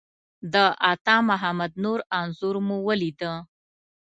د عطامحمد نور انځور مو ولیده.